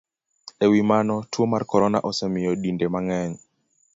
E wi mano, tuo mar corona osemiyo dinde mang'eny